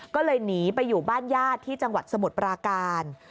ก็เลยหนีไปอยู่บ้านญาติที่จังหวัดสมุทรปราการ